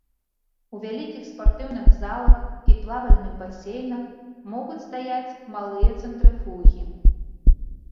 У вялікіх спартыўных залах і плавальных басейнах могуць стаяць малыя цэнтрыфугі.